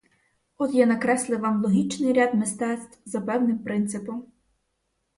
От я накреслив вам логічний ряд мистецтв за певним принципом.